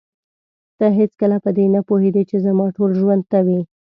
ته هېڅکله په دې نه پوهېدې چې زما ټول ژوند ته وې.